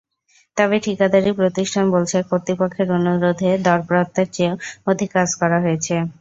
তবে ঠিকাদারি প্রতিষ্ঠান বলছে, কর্তৃপক্ষের অনুরোধে দরপত্রের চেয়েও অধিক কাজ করা হয়েছে।